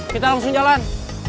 kita langsung jalan